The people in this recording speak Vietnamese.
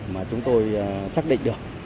mà chúng tôi xác định được